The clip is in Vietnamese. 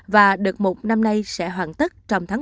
và đợt mục năm nay sẽ hoàn tất